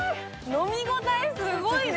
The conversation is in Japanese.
飲み応えすごいね。